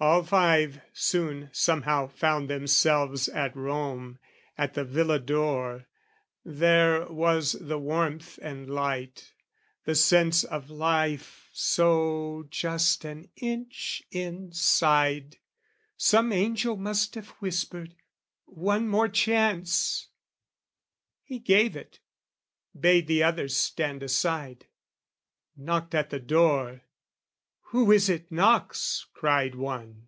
All five soon somehow found themselves at Rome, At the villa door: there was the warmth and light The sense of life so just an inch inside Some angel must have whispered "One more chance!" He gave it: bade the others stand aside: Knocked at the door, "Who is it knocks?" cried one.